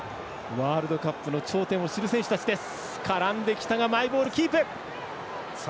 ワールドカップの頂点を知る選手たちです。